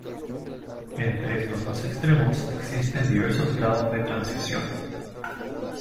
Entre estos dos extremos existen diversos grados de transición.